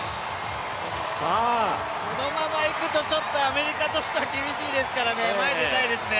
このままいくと、ちょっとアメリカとしては厳しいですから、前に出たいですね。